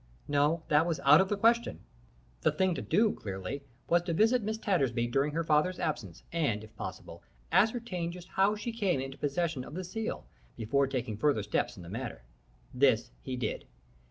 No that was out of the question. The thing to do, clearly was to visit Miss Tattersby during her father's absence, and, if possible, ascertain from just how she had come into possession of the seal, before taking further steps in the matter. This he did.